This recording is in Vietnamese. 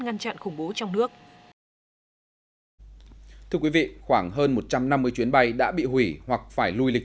ngăn chặn khủng bố trong nước thưa quý vị khoảng hơn một trăm năm mươi chuyến bay đã bị hủy hoặc phải lùi lịch